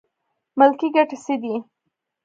ملي ګټې څه دي؟